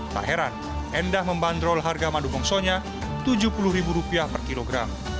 tak heran endah membandrol harga madu mongso nya rp tujuh puluh per kilogram